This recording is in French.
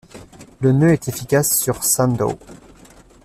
Le nœud est efficace sur sandow.